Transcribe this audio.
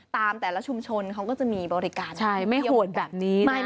แต่ละชุมชนเขาก็จะมีบริการแบบนี้